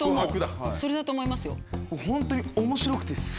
それだと思いますよ。